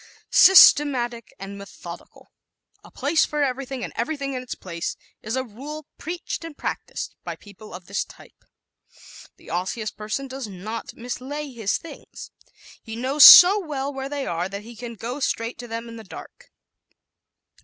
Systematic and Methodical ¶ "A place for everything and everything in its place" is a rule preached and practised by people of this type. The Osseous person does not mislay his things. He knows so well where they are that he can "go straight to them in the dark."